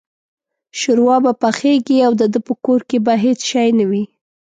شوروا به پخېږي او دده په کور کې به هېڅ شی نه وي.